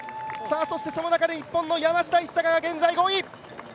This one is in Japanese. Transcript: そして日本の山下一貴が現在５位！